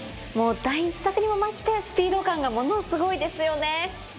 第１作にも増してスピード感がものすごいですよね！